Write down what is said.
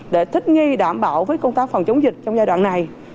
để thích nghi đảm bảo với công tác phòng chống dịch trong giai đoạn này